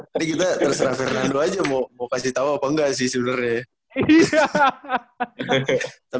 tadi kita terserah fernando aja mau kasih tau apa enggak sih sebenarnya ya